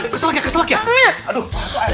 keselak ya keselak ya aduh